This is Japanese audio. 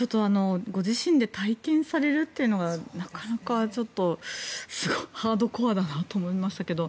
ご自身で体験されるというのはなかなか、ハードコアだなと思いましたけど。